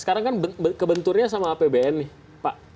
sekarang kan kebenturnya sama apbn nih pak